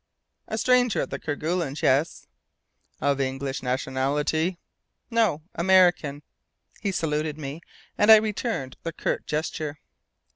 "A stranger at the Kerguelens? Yes." "Of English nationality?" "No. American." He saluted me, and I returned the curt gesture.